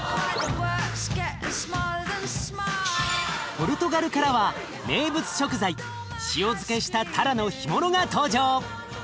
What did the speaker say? ポルトガルからは名物食材塩漬けしたたらの干物が登場。